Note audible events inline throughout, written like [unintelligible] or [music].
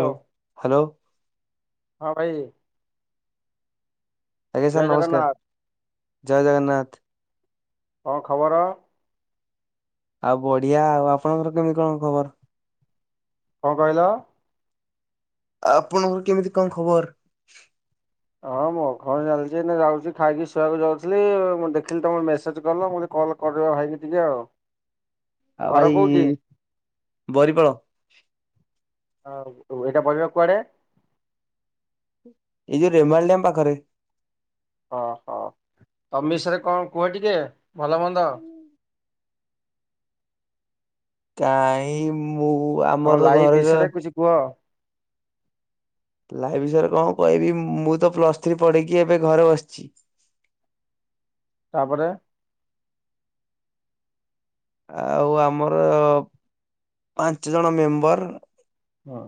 ଓ hello. ହଁ ଭାଇ ଆଜ୍ଞା ସାର୍ ଜୟ ନମସ୍କାର। ଜଗନ୍ନାଥ ଜୟ ଜଗନ୍ନାଥ। କଣ ଖବର? ଆଉ ବଢିଆ। ଆଉ ଆପଣଙ୍କର କେମିତି କଣ ଖବର? କଣ କହିଲ? ଆପଣଙ୍କର କେମିତି କଣ ଖବର? ହଁ ମୁଁ ଘରେ ଚାଲିଚି ଏଇନେ ଯାଉଛି ଖାଇକି ଶୋଇଆକୁ ଯାଉଥିଲି ମୁଁ ଦେଖିଲି ତମ ମେସେଜ କଲ ମୁଁ କହିଲି କଲ୍ କଲ କରିବା ଭାଇକି ଟିକେ ଆଉ। ଆଉ ଘର ଭାଇ କୋଉଠି ବରିପାଳ ଆଉ ଏଇଟା ପଡିବ କୁଆଡେ? ଏଇ ଯୋଉ ରେମାଲ ଡ୍ୟାମ୍ ପାଖରେ। ଓହୋ। ତମ ବିଷୟରେ କଣ କୁହ ଟିକେ ଭଲ ମନ୍ଦ? [inaudible] କାଇଁ ମୁଁ ତମ ଆମର ତ ଲାଇଫ ଘରେ ତ ବିଷୟରେ କିଛି କୁହ ତା ବିଷୟରେ କଣ କହିବି ମୁଁ ତ ପ୍ଲସ୍ ଥ୍ରୀ ପଢେଇକି ଏବେ ଘରେ ବସିଛି [inaudible] ତା ପରେ? ଆଉ ଆମର ପାଞ୍ଚ ଜଣ ମେମ୍ବର ହଁ।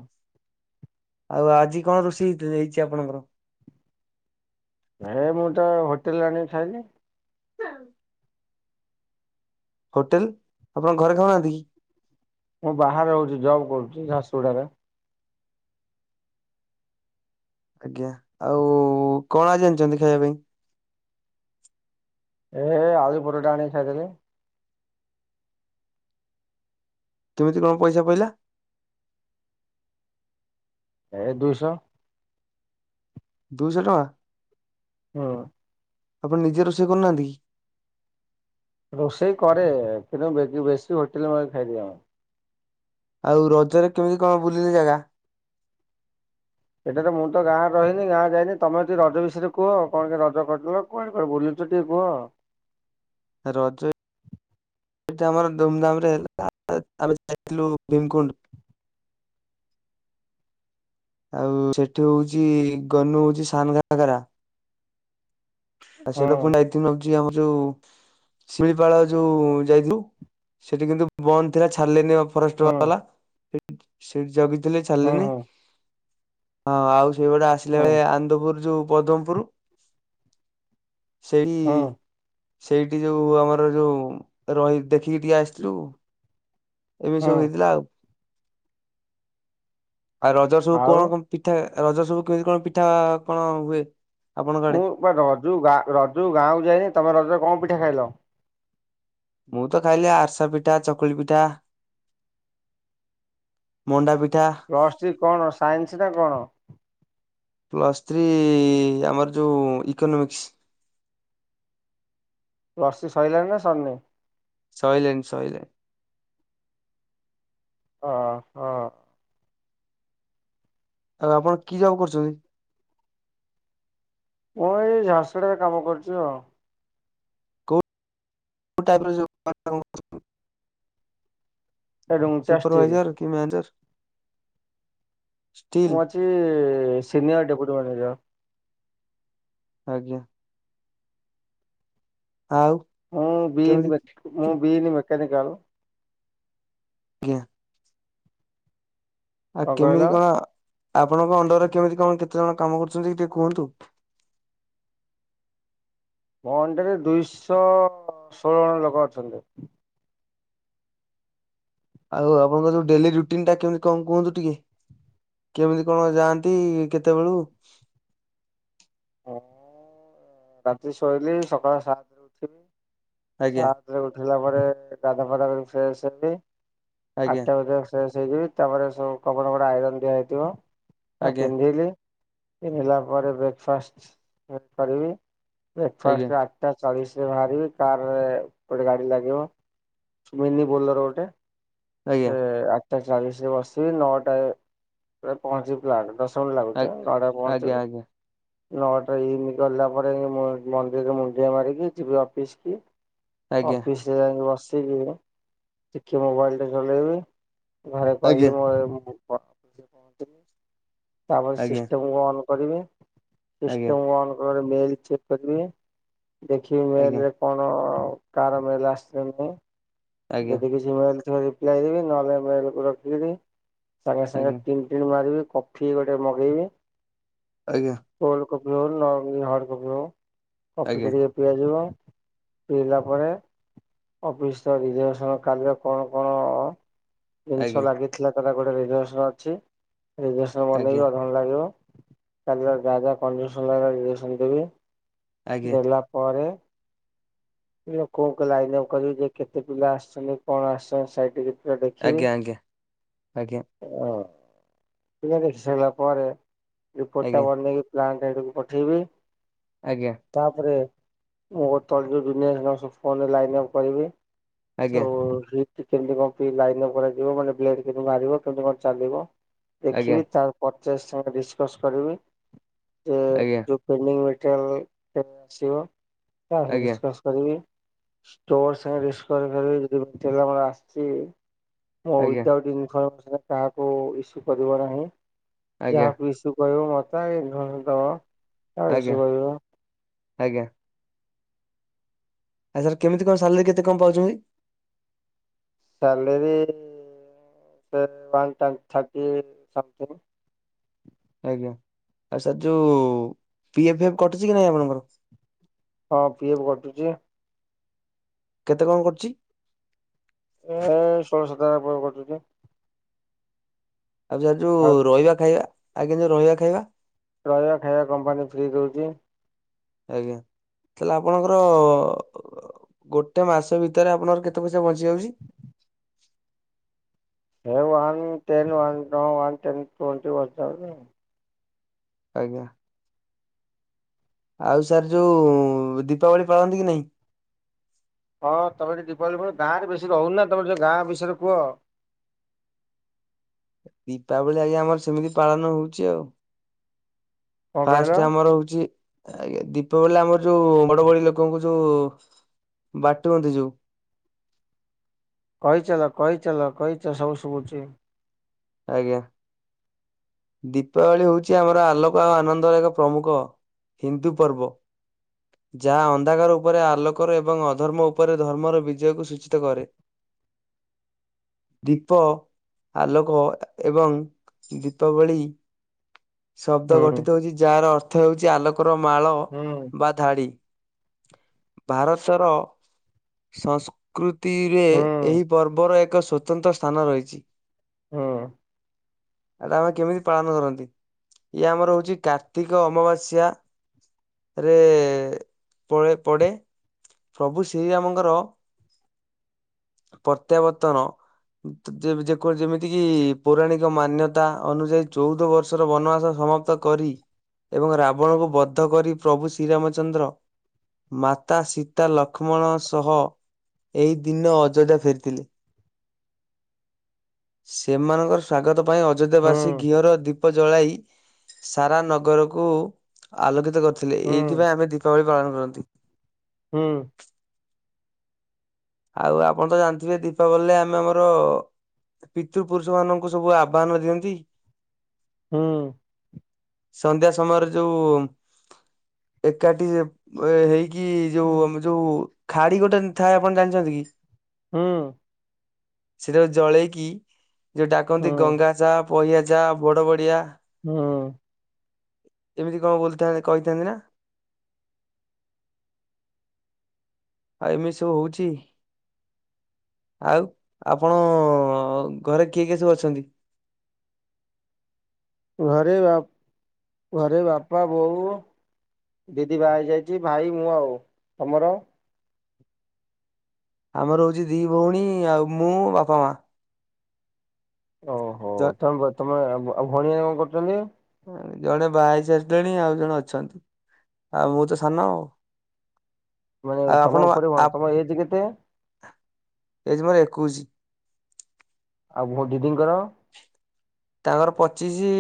ଆଉ ଆଜି କଣ ରୋଷେଇ ହେଇତି ହେଇଛି ଆପଣଙ୍କର? ଏ ମୁଁ ତ ହୋଟେଲରେ ଆଣିି ଖାଇଲି। ହଁ। ହୋଟେଲ, ଆପଣଙ୍କ ଘରେ ଖାଉନାହାଁନ୍ତି କି? ମୁଁ ବାହାରେ ରହୁଛି ଜବ୍ କରୁଛି ଝାରସୁଗୁଡାରେ। ଆଜ୍ଞା। ଆଉ କଣ ଆଜି ଆଣିଚନ୍ତି ଖାଇବା ପାଇଁ? ଏ ଆଳୁ ପରଟା ଆଣି ଖାଇଦେଲି। କେମିତି କଣ ପଇସା ପଇଲା? ଏ ଦୁଇଶହ ଦୁଇଶ ଟଙ୍କା? ହଁ। ଆପଣ ନିଜେ ରୋଷେଇ କରୁନାହାଁନ୍ତି କି? ରୋଷେଇ କରେ କିନ୍ତୁ ବେ-ବେଶୀ ହୋଟେଲରୁ ମଗେଇ ଖାଇଦିଏ ମୁଁ। ଆଉ ରଜରେ କେମିତି କଣ ବୁଲିଲେ ଜାଗା? ଏଥର ତ ମୁଁ ତ ଗାଁରେ ରହିନି ଗାଁ ଯାଇନି ତମେ ଟିଏ ରଜ ବିଷୟରେ କୁହ କଣ କେ ରଜ କଟିଲ କୁଆଡ଼େ କୁଆଡ଼େ ବୁଲୁ ଚୁ ଟିଏ କୁହ। ରଜ ଏଠି ଆମର ଧୁମଧାମ୍ ରେ ହେଲା [inaudible] ଆମେ ଯାଇଥିଲୁ ଭୀମକୁଣ୍ଡ୍। ଆଉ ସେଠି ହୋଉଚି ଗନୁ ହୋଉଚି ସାନ ଘାଗରା। ଆଉ ହୁଁ ସେଇଠୁ ଫୁଣି ହୋଉଚି ଆମର ଯୋଉ ଶିଳିପାଳ ଯୋଉ ଯାଇଥିଉ ସେଠି କିନ୍ତୁ ବନ୍ଦ ଥିଲା ଛାଡ଼ିଲେନେଇ ଅ ଫରେଷ୍ଟ୍ ହୁଁ ବାଲା ଏ ସେଇଠି ଜଗିଥିଲେ ହୁଁ ଛାଲେନେଇ ହୁଁ ହଁ ଆଉ ସେଇପଟେ ଆସିଲା ହୁଁ ଏଳେ ଆନ୍ଦପୁର ଯୋଉ ପଦ୍ମପୁରୁ ସେଇ ହୁଁ ସେଇଠି ଯୋଉ ଆମର ଯୋଉ ରହି ଦେଖିକି ଟିକେ ଆସିଥିଲୁ। ଏମିତି ହୁଁ ସବୁ ହେଇଥିଲା ଆଉ। ଆଉ ରଜ ସବୁ ଆଉ କଣ କଁ ପିଠା ରଜ ସବୁ କେମିତି କଣ ପିଠା କଣ ହୁଏ? ଆପଣଙ୍କ ଆଡେ ମୁଁ ରଜୁ ଗାଁ ରଜୁ ଗାଁକୁ ଯାଇନେଇ ତମେ ରଜରେ କଁ ପିଠା ଖାଇଲ? ମୁଁ ତ ଖାଇଲି ଆରସା ପିଠା ଚକୁଳି ପିଠା। ମଣ୍ଡା ପି ପ୍ଲସ୍ ଥ୍ରୀ କଣ ସାଇନ୍ସ ନାଁ କଣ? ପ୍ଲସ୍ ଥ୍ରୀ ଆମର ଯୋଉ ଇକୋନୋମିକ୍ସ୍। ପ୍ଲସ୍ ଥ୍ରୀ ସଇଲାଣି ନାଁ ସରନେଇ? ସଇଲାଇଁ ସଇଲାଇଁ। ଅ ହ। ଆଉ ଆପଣ କି ଜବ୍ କରୁଚନ୍ତି? ମୁଁ ଏଇ ଝାରସୁଡ଼ାରେ କାମ କରୁଚୁ ଅ। ଉ ଟାଇପ୍ ର ଜ [inaudible] ରୁଙ୍ଗଟା ଷ୍ଟିଲ୍ ସୁପରଭାଇଜର୍ କି ମେଁଜର୍? ମୁଁ ଅଛି ସିନିୟର୍ ଡେପୁଟି ମ୍ୟାନେଜର୍। ଆଜ୍ଞା। ଆଉ ମୁଁ କେମିତି ବିିନମେ ମୁଁ ମେକାନିକାଲ୍। ଜ୍ଞା। ଆଉ କେମିତି କଣ ଆପଣଙ୍କ ଅଣ୍ଡରରେ କେମିତି କଣ କେତେ ଜଣ କାମ କରୁଚନ୍ତି ଟିକେ କୁହନ୍ତୁ। ମୋ ଅଣ୍ଡର୍ ରେ ଦୁଇଶ ଷୋଳ ଅଣ ଲୋକ ଅଛନ୍ତି। ଆଉ ଆପଣଙ୍କ ଯୋଉ ଡେଲି ରୁଟିନ୍ ଟା କେମିତି କଁ କୁହନ୍ତୁ ଟିକେ। କେମିତି କଣ ଯାଆନ୍ତି କେତେବେଳୁ? ମୁଁ ରାତି ଶୋଇଲି ସକାଳ ସାତରେ ଉଠିବି ଆଜ୍ଞା ସାତରେ ଉଠି ଲା ପରେ ଗାଧା ପାଧା କରି ଫ୍ରେଶ୍ ହେବି ଆଜ୍ଞା ଆଠଟାରେ ଫ୍ରେଶ୍ ଯେ କି ତାପରେ ସବୁ କପଡ଼ା ପଡ଼ା ଆଇରନ୍ ଦିଆ ହେଇଥିବ ଆଉ ଆଜ୍ଞା ପିନ୍ଧିଲି ପିନ୍ଧିଲା ପରେ ବ୍ରେକଫାଷ୍ଟ୍ ଉଁ କରିବି। ଆଜ୍ଞା ବ୍ରେକଫାଷ୍ଟ୍ ଟା ଆଟା ଚାଳିଶ୍ ରେ ବାହାରିବି କାର୍ ରେ ଗୋଟେ ଗାଡ଼ି ଲାଗିବ ମିନି ବୋଲର୍ ଗୋଟେ। ଆଜ୍ଞା ସେ ଆଟଟା ଚାଳିଶରେ ବସିବି ନଅଟା ରେ ପହଞ୍ଚି ପ୍ଲାଣ୍ଟ୍। ଦଶ ମିଣ୍ଟି ଆ ଲାଗୁଚି ଆଉ ନଅଟାରେ ଆଜ୍ଞା ପହଞ୍ଚିବି ନଅଟା ଇନ୍ କଲା ପରେ ଆଇଙ୍କି ମୁଁ ମନ୍ଦିରରେ ମୁଣ୍ଡିଆ ମାରିକି ଯିବି ଅଫିସ୍ କି ଆଜ୍ଞା ଅଫିସ୍ ରେ ଯାଇକି ବସ୍ ତିକି ଟିକି ମୋବାଇଲ୍ ଟେ ଚଲେଇବି ଘରେ କହିବି ଆଜ୍ଞା ମୋଏ ପତୁଲେ ପହଞ୍ଚିମି ତାପରେ ଆଜ୍ଞା ସିଷ୍ଟମ୍ କୁ ଅନ୍ କରିବି। ଆଜ୍ଞା ସିଷ୍ଟମ୍ ଅନ୍ ପରେ ମେଲ୍ ଚେକ୍ କରିବେ। ଦେଖିବି ମେଲ୍ ରେ କଣ କାଆର ମେଲ୍ ଆସିଚି ନାଁ ନାଇଁ। ଆଜ୍ଞା ଯଦି କିଛି ବନ୍ଦ ଥିବ ରିପ୍ଲାଏ ଦେବି ନହେଲେ ଵାଇଲିକୁୁ ରଖିିବି। ସାଙ୍ଗେ ସାଙ୍ଗେ ଟିଣି ଟିଣି ମାରିବି କଫି ଗୋଟେ ମଗେଇବି ଆଜ୍ଞା। କପି ହଉ ଲା ହାଡ଼ କଫି ହଉ କଫିଟେ ଟିକେ ପିଆଜି ବ ପିଇଲା ପରେ ଅଫିସ୍। ତ ବିଜୟ ସଣ କାର୍ଯ୍ୟ କଣ କଣ ଜିନିଷ ଆଜ୍ଞା ଆଜ୍ଞା ଲାଗିଥିଲା ଏଟା ଗୋଟେ ରିଦେସ ଅଛି ରିଦେସ ବନେଇଵି ଆଜ୍ଞା ଆଜ୍ଞା ଆଜ୍ଞା ଅଧ ଘଣ୍ଟେ ଲାଗିବ। କାଲିର ରାଜା କଣ୍ଡିସନର ନିଦେସନ ଦେବେ ଦେଲା ପରେ ଇଲୋ କଉ କଉ ଲାଇନ ଅଫ୍ କରିବ ଯେ କେତେ ପିଲା ଆସିଚନ୍ତି କଣ ଆଶ୍ଚ ସାଇଟିକି ଆଉ ଦେଖିବେ ଆଜ୍ଞା ଆଜ୍ଞା ଆଜ୍ଞା ହଁ ଦେଖି ସାରିଲା ପରେ ରିପୋର୍ଟା ଟା ବନନେଇକି ପ୍ଲାଣ୍ଟ ଆଡ଼କୁ ପଠେଇବେ। ଆଜ୍ଞା ଆଜ୍ଞା ଆଜ୍ଞା ଆଜ୍ଞା ଆଜ୍ଞା ଆଜ୍ଞା ଆଜ୍ଞା ଆଜ୍ଞା ଆଜ୍ଞା ତାପରେ ମୁଁ [unintelligible] ଲାଇନ୍ ଅପ୍ କରିବି। ଚ ହି ଟି କେମିତି କଣ ପି ଲାଇନ୍ ଅପ୍ କରାଯିବ ମାନେ ବ୍ଲେ କେମିତି ମାରିବ କେମିତି କଣ ଚାଲିବ। ଦେଖିବେ ତା ପଚାସ ସା ସାଙ୍ଗେ ଡିଶ୍ କଶ୍ କରିବବେ ଯୋ ଯୋ ପେଣ୍ଡିଙ୍ଗ ଟ୍ରାରି ଟ୍ରାରି ଆସିବ ଆ ଡିଶ୍ କଶ୍ କରିବି ଷ୍ଟୋର ସାଡିସ [unintelligible] ପରା ଆସିଚିଇ ଉଇଦାଉଟ ଇନ୍ ଫର୍ମ କାହାକୁ ଇସୁ କରିବାର ନାହିଁ ଯାହାକୁ ଇସୁ କହିବ ବା କାଇଁ ଝୁଣୁତ ଆ ଆଜ୍ଞା ଇସୁ ଆଜ୍ଞା କରିଵ। ଆ ସାର୍ କେମିତି କଣ ସାଲେରୀ କେତେ କଣ ପାଉଛନ୍ତି। ସାଲେରି ଉଁ ସେ ୱନ ଟା ଥାର୍ଟି ସମଥିଙ୍ଗ। ଆଜ୍ଞା ଆଉ ସାର୍ ଯୋଉ ପି ଏଫ୍ ଏ ଫ୍ କଟୁଚି କି ନାଇଁ ଆପଣଙ୍କର? ହଁ ପିଏପ୍ କଟୁଚି। କେତେ କଣ କଟୁଚି? ଏ ଷୋଳ ସାତାପ କଟୁଚି। ଆଉ ଯାର ଯୋଉ ରହିବା ଖାଇବା ଆଜ୍ଞା ଯୋଉ ରହିବା ଖାଇବା। ରୟା ଖାଇବା କମ୍ପାନୀ ଫ୍ରି ଦଉଛି। ଆଜ୍ଞା ତାହେଲେ ଆପଣଙ୍କର ଗୋଟେ ମାସ ଭିତରେ ଆପଣଙ୍କ କେତେ ପଇସା ବଞ୍ଚି ଯାଉଛି? ହେୱନ୍ ଟେନ୍ୱ ନୱ ଟେନ୍ ଟଣ୍ [unintelligible] ଆଜ୍ଞା। ଆଉ ସାର୍ ଯୋଉ ଦୀପାବଳି ପାଳନ୍ତି କି ନାହିଁ? ହଁ ତମେ ଟିକ ଦୀପାବଳି ଗାଁରେ ବେଶୀ ରହୁନି ନା ତମେ ଯୋଉ ଗାଁ ବିଷୟରେ କୁହ। ଦୀପାବଳି ଆଜ୍ଞା ଆମର ସେମିତି ପାଳନ ହଉଛି ଆଉ। କଣ କହିଲ ଫାଷ୍ଟ ଆମର ହଉଛି ଆଜ୍ଞା ଦୀପାବଳି ଆମର ଯୋଉ ବଡ ବଡି ଲୋକଙ୍କୁ ଯୋଉ ବାଟ ବନ୍ଧି ଯୋଉ କହିଚାଲ କହିଚାଲ କହିଚାଲ ସବୁ ଶୁଭୁଛିି। ଆଜ୍ଞା। ଦୀପାବଳି ହଉଛି ଆମର ଆଲୋକ ଓ ଆନନ୍ଦର ଏକ ପ୍ରମୁଖ ହିନ୍ଦୁ ପର୍ବ। ଯାହା ଅନ୍ଧକାର ଉପରେ ଆଲୋକର ଏବଂ ଅଧର୍ମ ଉପରେ ଧର୍ମର ବିଜୟକୁ ସୂଚିତ କରେ। ଦୀପ ଆଲୋକ ଏବଂ ଦୀପାବଳି ଶବ୍ଦ ହୁଁ ଗଠିତ ହଉଛି ଯାହାର ଅର୍ଥ ଥ ହେଉଛି ଆଲୋକର ମାଳ ହୁଁ ବା ଧାଡି। ଭାରତର ସଂସ୍କୃତି ତିରେ ହୁଁ ଏହି ପର୍ବର ଏକ ସ୍ୱତନ୍ତ୍ର ସ୍ଥାନ ରହିଛି। ହଁ। ଆଟା ଆମେ କେମିତି ପାଳନ କରନ୍ତି? ଇ ଆମର ହଉଛି କାର୍ତ୍ତିକ ଅମାବାସ୍ୟା। ରେ ପ-ପଡ଼େ। ପ୍ରଭୁ ଶ୍ରୀରାମଙ୍କର ପ୍ରତ୍ୟାବର୍ତ୍ତନ ଯେକ-ଯେମିତି ଯେତିକି ପୌରାଣିକ ମାନ୍ୟତା ଅନୁଯାୟୀ ଚଉଦ ବର୍ଷର ବନବାସ ସମାପ୍ତ କରି ଏବଂ ରାବଣକୁ ବଦ୍ଧ କରି ପ୍ରଭୁ ଶ୍ରୀରାମଚନ୍ଦ୍ର ମାତା ସୀତା ଲକ୍ଷ୍ମଣ ସହ ଏହି ଦିନ ଅଯୋଧ୍ୟା ଫେରିଥିଲେ। ସେମାନଙ୍କର ସ୍ୱାଗତ ପାଇଁ ହୁଁ ଅଯୋଧ୍ୟାବାସୀ ଘିଅର ଦୀ ଜଳାଇ ସାରା ନଗରକୁ ଆଲୋକିତ କରିଥିଲେ ହୁଁ ଏଇଥିପାଇଁ ଆମେ ଦୀପାବଳି ପାଳନ କରନ୍ତି। ହୁଁ। ଆଉ ଆପଣ ତ ଜାଣିଥିବେ ଦୀପାବଲୀରେ ଆମେ ଆମର ପିତୃପୁରୁଷ ମାନଙ୍କୁ ସବୁ ଆବାହନ ଦିଅନ୍ତି। ହଁ। ସନ୍ଧ୍ୟା ସମୟରେ ଯୋଉ ଏକାଠି ହେଇକି କି ଯୋଉ ହୁଁ ଆମ ଯୋଉ ଖାଡି ଗୋଟେ ଥାଏ ଆପଣ ଜାଣିଛନ୍ତି କି? ହଁ। ସେଟା ଜଳେଇକି ଯୋଉ ଡାକନ୍ତି ହୁଁ ଗଙ୍ଗା ଚା ପହିଆ ଯା ବଡ ବଡିଆ ହଁ। ଏମିତି କଣ ବୋଲୁ ଥା କହିଥାନ୍ତି ନା? ଆଉ ଏମିତି ସବୁ ହଉଛି। ଆଉ ଆପଣ ଘରେ କିଏ କିଏ ସବୁ ଅଛନ୍ତି? ଘରେ ବାପ ଘରେ ବାପା ବୋଉ ଦିଦି ବା ହେଇ ଯାଇଛି ଭାଇ ମୁଁ ଆଉ ତମର? ଆମର ହଉଛି ଦି ଭଉଣୀ ଆଉ ମୁଁ ବାପା ମା। ଓହୋ ଜ ତମେ ତମେ ଆଉ ଭଉଣୀ ମାନେ କଣ କରୁଛନ୍ତି? ଜଣେ ଭାଆ ହେଇସାରିଲେଣି ଆଉ ଜଣେ ଅଛନ୍ତି। ଆ ମୁଁ ତ ସାନ ଆଉ। ମାନେ ଆଉ ତମ ଆପଣ ଉପରେ ଭ ଆ ତମ ଏଜ କେତେ ଏଜ ମୋର ଏକୋଇଶ। ଆଉ କଣ ତାଙ୍କର ପଚିଶି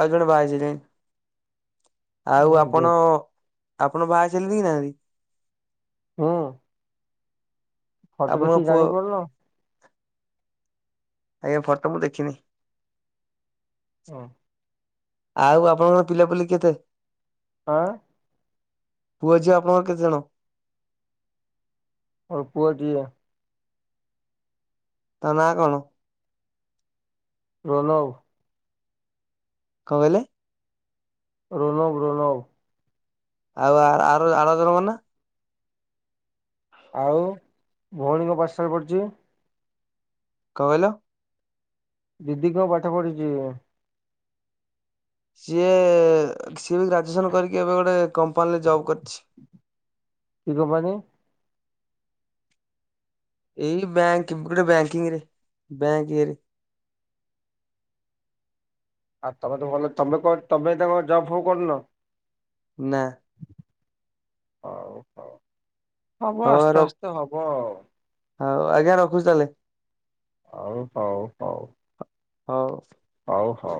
ଆଉ ଜଣେ ବାଇଶ ଯାଇ ଆଉ ଆପଣ ଆପଣ ବାହା ହେଇସାଇ କି ନାହାନ୍ତି? ହଁ। ଫଟୋ ଆପଣଙ୍କ ଦେଖି ପୁଅ ଜାଣି ପାରୁନ? ଆଜ୍ଞା ଫଟୋ ମୁଁ ଦେଖିନି। ହଁ। ଆଉ ଆପଣଙ୍କର ପିଲାପିଲି କେତେ? ହଁ। ପୁଅ ଝିଅ ଆପଣଙ୍କର କେତେଜଣ? ଓ ପୁଅ ଦିଆ। ତା ନାଁ କଣ? ରୋନବ। କଣ କହିଲେ? ରୋନବ ରୋନବ। ଆଉ ଆର ଆର ଜଣଙ୍କ ନାଁ? ଆଉ ଭଉଣୀ କଣ ପାଠ ସାଠ ପଢ଼ିଛି? କଣ କହିଲ? ଦିଦି କଣ ପାଠ ପଢିଛି? ସିଏ ସିଏ ଗ୍ରାଜୁଏସନ କରିକି ଏବେ ଗୋଟେ କମ୍ପାନୀରେ ଜବ୍ କରିଛି। କି କମ୍ପାନୀ? ଏଇ ବ୍ୟାଙ୍କ [unintelligible] ବ୍ୟାକିଂରେ ବ୍ୟାଙ୍କ ଇଏରେ। ଆଉ ତମେ ତ ଭଲ ତମେ କଣ ତମେ ତାଙ୍କ ଜବ ଫବ କରୁନ? ନା ହଉ ହଉ ହବ ହଉ ଆସ୍ତେ ରଖ ଆସ୍ତେ ହବଆଉ। ହଉ ଆଜ୍ଞା ରଖୁଛୁ ତାହେଲେ। ଆଉ ହଉ ହଉ। ହଉ। ହଉ ହଉ।